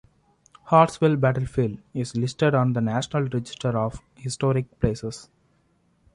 Hartsville Battlefield is listed on the National Register of Historic Places.